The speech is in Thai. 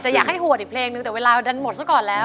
อยากให้โหดอีกเพลงนึงแต่เวลาดันหมดซะก่อนแล้ว